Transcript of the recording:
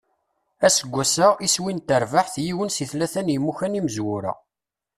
Aseggas-a, iswi n terbaεt: yiwen si tlata n yimukan imezwura.